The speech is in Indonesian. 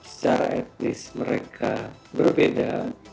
secara etnis mereka berbeda